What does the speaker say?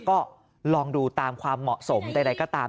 ก็ลองดูตามความเหมาะสมใดก็ตาม